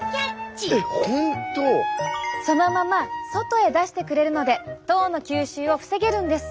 そのまま外へ出してくれるので糖の吸収を防げるんです。